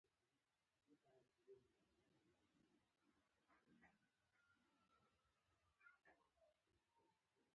سیاسي علومو له لید لوري سیاست ماهیت تعریف شي